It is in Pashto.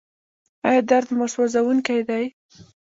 ایا درد مو سوځونکی دی؟